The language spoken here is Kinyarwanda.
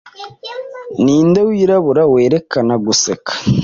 Ninde wirabura werekana guseka